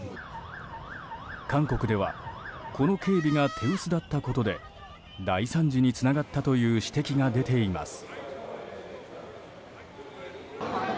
韓国ではこの警備が手薄だったことで大惨事につながったという指摘が出ています。